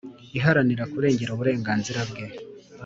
Iharanira kurengera uburenganzira bwe